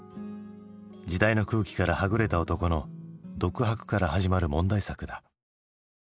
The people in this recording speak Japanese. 時代の空気からはぐれた男の独白から始まる問題作だ。